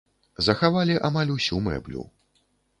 Захавалі амаль усю мэблю.